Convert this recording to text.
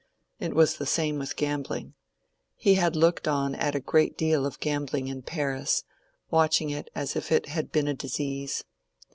It was the same with gambling. He had looked on at a great deal of gambling in Paris, watching it as if it had been a disease.